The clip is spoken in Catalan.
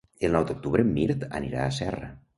El nou d'octubre en Mirt anirà a Serra.